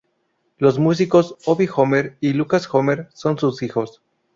Los músicos Obi Homer y Lucas Homer, son sus hijos.